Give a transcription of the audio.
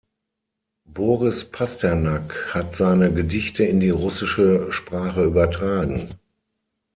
Boris Pasternak hat seine Gedichte in die russische Sprache übertragen.